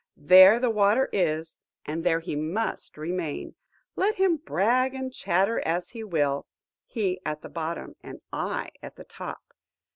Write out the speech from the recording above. There the water is, and there he must remain, let him brag and chatter as he will; he at the bottom, and I at the top.